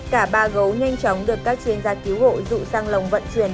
cả ba gấu nhanh chóng được các chuyên gia cứu hộ rụ sang lồng vận chuyển